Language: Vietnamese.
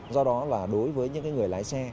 do đó là đối với những người lái xe